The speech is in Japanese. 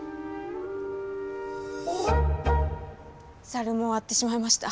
ざるも終わってしまいました。